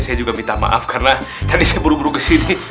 saya juga minta maaf karena tadi saya buru buru kesini